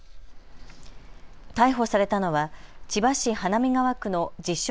逮捕されたのは千葉市花見川区の自称